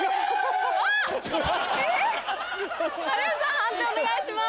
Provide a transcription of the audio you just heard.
判定お願いします。